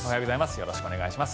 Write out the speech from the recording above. よろしくお願いします。